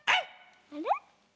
あれ？